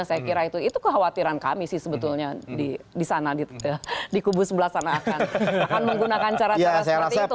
saya kira itu kekhawatiran kami sih sebetulnya di sana di kubu sebelah sana akan menggunakan cara cara seperti itu